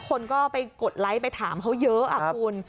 คนก็ไปกดไลค์ไปถามเขาเยอะคุณ